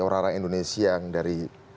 orang orang indonesia yang dari